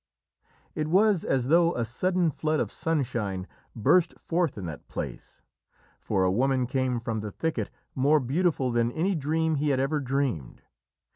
"It was as though a sudden flood of sunshine burst forth in that place. For a woman came from the thicket more beautiful than any dream he had ever dreamed.